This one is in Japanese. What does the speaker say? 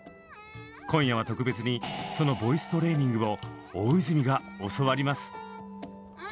今夜は特別にそのボイストレーニングを大泉が教わります！